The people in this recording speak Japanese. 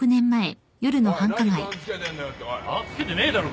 つけてねえだろ。